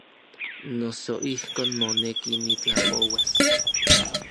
Noso ijkon moneki nitlapouas.